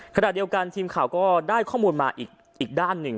ขณะเดียวกันทีมข่าวก็ได้ข้อมูลมาอีกด้านหนึ่ง